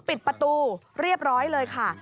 ปิดประตูเรียบร้อยเลยค่ะ